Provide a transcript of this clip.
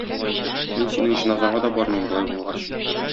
Мин синең җеназаңа да бармыйм, болай булгач!